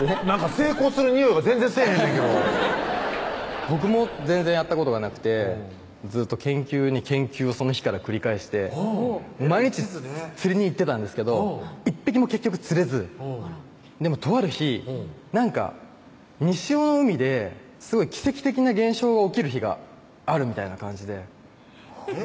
成功するにおいが全然せぇへんねんけど僕も全然やったことがなくてずっと研究に研究をその日から繰り返して毎日釣りに行ってたんですけど１匹も結局釣れずあらでもとある日なんか西尾の海で奇跡的な現象が起きる日があるみたいな感じでえっ？